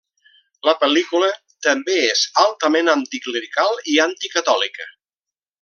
La pel·lícula també és altament anticlerical i anticatòlica.